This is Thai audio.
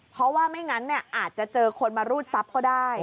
เพราะว่าไม่งั้นอาจจะเจอคนมารูดทรัพย์ก็ได้